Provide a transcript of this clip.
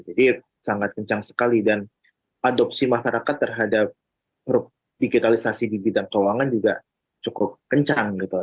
jadi sangat kencang sekali dan adopsi masyarakat terhadap digitalisasi di bidang keuangan juga cukup kencang gitu